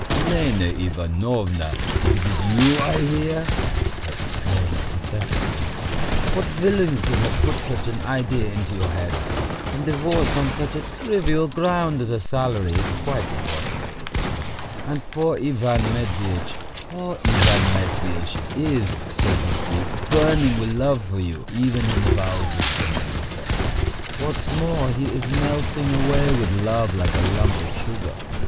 "Elena Ivanovna! is it you I hear!" I exclaimed pathetically. "What villain could have put such an idea into your head? And divorce on such a trivial ground as a salary is quite impossible. And poor Ivan Matveitch, poor Ivan Matveitch is, so to speak, burning with love for you even in the bowels of the monster. What's more, he is melting away with love like a lump of sugar.